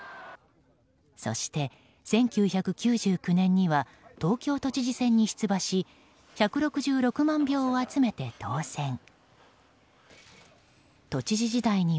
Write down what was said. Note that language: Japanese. そして、１９９９年には東京都知事選に出馬し１６６満票を集めて当選。